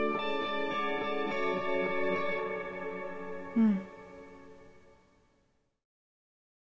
うん。